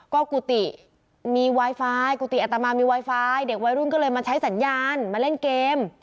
ก็กุฏิมีไวไฟกุฏิอัตมามีไวไฟเด็กวัยรุ่นก็เลยมาใช้สัญญาณมาเล่นเกม